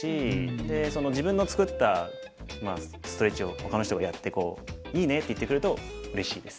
でその自分のつくったストレッチをほかの人がやっていいねって言ってくれるとうれしいです。